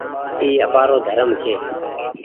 اي آپآرو ڌرم ڇي۔